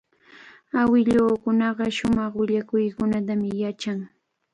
Awilukunaqa shumaq willakuykunatami yachan.